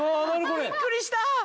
びっくりした！